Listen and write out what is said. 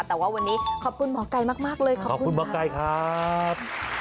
แต่ว่าวันนี้ขอบคุณหมอไก่มากเลยขอบคุณหมอไก่ครับ